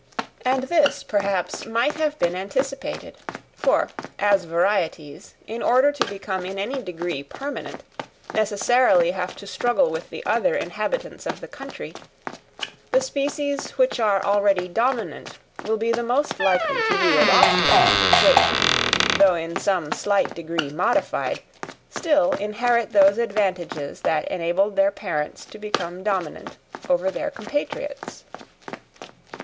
And this, perhaps, might have been anticipated; for, as varieties, in order to become in any degree permanent, necessarily have to struggle with the other inhabitants of the country, the species which are already dominant will be the most likely to yield offspring, which, though in some slight degree modified, still inherit those advantages that enabled their parents to become dominant over their compatriots.